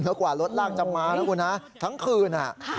แล้วกว่ารถลากจะมาแล้วคุณฮะทั้งคืนอ่ะค่ะ